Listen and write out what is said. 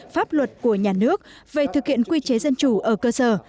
pháp luật của nhà nước về thực hiện quy chế dân chủ ở cơ sở